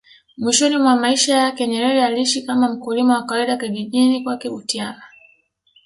Mwishoni mwa maisha yake Nyerere aliishi kama mkulima wa kawaida kijijini kwake Butiama